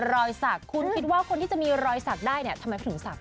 รอยสักคุณคิดว่าคนที่จะมีรอยสักได้เนี่ยทำไมเขาถึงศักดิ